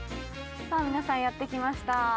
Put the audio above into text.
さあ皆さんやって来ました。